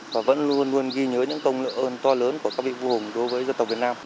và vẫn luôn luôn ghi nhớ những công lợi ơn to lớn của các vị vua hùng đối với dân tộc việt nam